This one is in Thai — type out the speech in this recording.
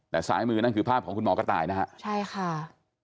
แต่ซ้ายมือนั่นคือภาพของคุณหมอกระต่ายนะฮะใช่ค่ะ